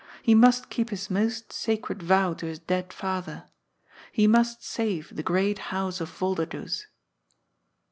He must keep his most sacred vow to his dead father. He must save the great house of Vol derdoes.